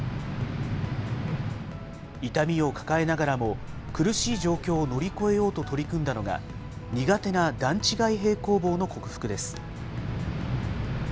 痛みを抱えながらも、苦しい状況を乗り越えようと取り組んだのが、苦手な段違い平行棒の克服です。